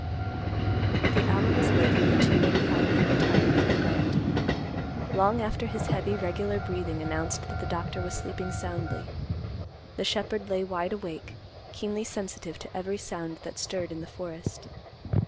The hour was late when the two men finally retired for the night. Long after his heavy, regular breathing announced that the doctor was sleeping soundly, the shepherd lay wide awake, keenly sensitive to every sound that stirred in the forest.